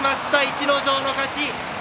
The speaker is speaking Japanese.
逸ノ城の勝ち。